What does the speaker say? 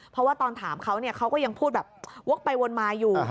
เพราะว่าตอนถามเขาเขาก็ยังพูดแบบวกไปวนมาอยู่